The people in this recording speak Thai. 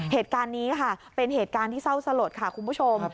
เหตุการณ์นี้ค่ะเป็นเหตุการณ์ที่เศร้าสลดค่ะคุณผู้ชม